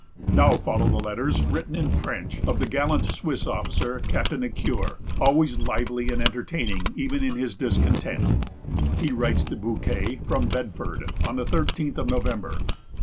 Now follow the letters, written in French, of the gallant Swiss, Captain Ecuyer, always lively and entertaining even in his discontent. He writes to Bouquet from Bedford, on the thirteenth of November.